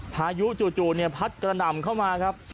พายุจู่เนี่ยพัทกระดำเข้ามาครับ